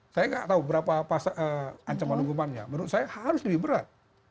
saya nggak tahu berapa ancaman hukumannya menurut saya harus lebih berat